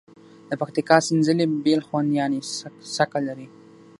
د پکتیکا سینځلي بیل خوند یعني څکه لري.